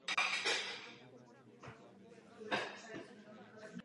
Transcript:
Pro prodloužení licence by byla nutná kompletní a velmi nákladná oprava.